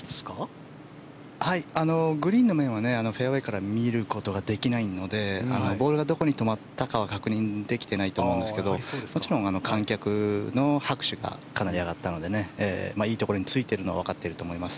グリーンの面はフェアウェーから見ることができないのでボールがどこに止まったかは確認できていないと思いますがそっちの観客の拍手がかなり上がったのでいいところについているのは分かってると思います。